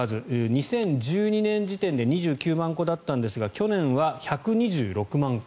２０１２年時点で２９万戸だったんですが去年は１２６万戸。